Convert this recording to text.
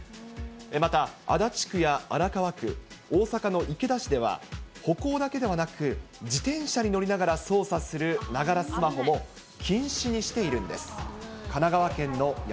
また足立区や荒川区、大阪の池田市では、歩行だけではなく、自転車に乗りながら操作するながらスマホも禁止にしているんです。